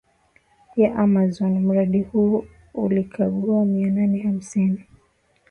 ya Amazon Mradi huu ulikagua mianane hamsini